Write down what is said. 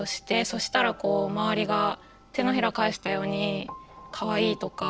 そしたらこう周りが手のひらを返したようにかわいいとか。